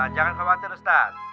jangan khawatir ustaz